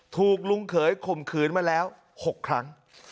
ถูกลุงเขยข่มขืนมาแล้ว๖ครั้ง